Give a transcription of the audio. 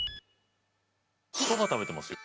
そば食べてますよ。